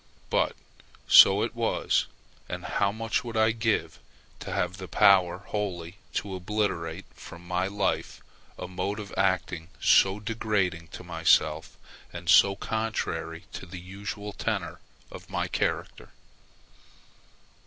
But so it was, and how much would I give to have the power wholly to obliterate from my life a mode of acting so degrading to myself, and so contrary to the usual tenor of my character!